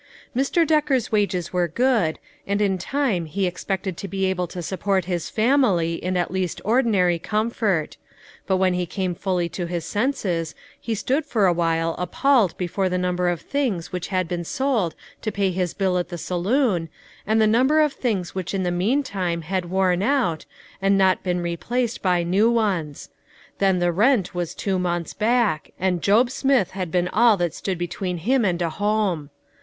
Mr. Decker's wages were good, and in time he expected to be able to support his family in at least ordinary comfort; but when he came fully to his senses, he stood for awhile appalled before the number of things which had been sold to pay his bill at the saloon, and the num ber of things which in the meantime had worn out, and not been replaced by new ones ; then the rent was two months back, and Job Smith had been all that stood between him and a home.